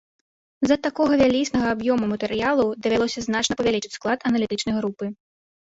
З-за такога вялізнага аб'ёму матэрыялу давялося значна павялічыць склад аналітычнай групы.